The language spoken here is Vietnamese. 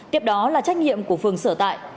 tiếp đó là trách nhiệm của phường sở tại